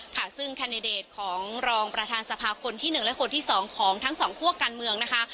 ค่ะซึ่งของรองประธานสภาคลที่หนึ่งและคนที่สองของทั้งสองพวกการเมืองนะคะ